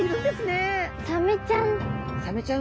サメちゃん。